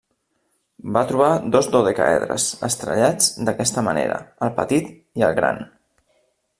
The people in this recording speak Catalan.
Va trobar dos dodecàedres estrellats d'aquesta manera, el petit i el gran.